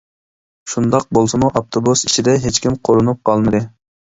شۇنداق بولسىمۇ ئاپتوبۇس ئىچىدە ھېچكىم قورۇنۇپ قالمىدى.